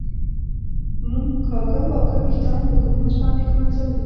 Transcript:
مونږ کاږه واږه وېښتان په ږمونځ باندي ږمنځوو